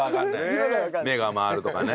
目が回るとかね。